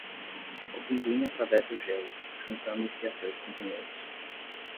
O pinguim atravessa o gelo, juntando-se a seus companheiros.